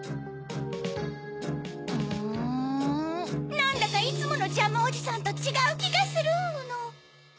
なんだかいつものジャムおじさんとちがうきがするの。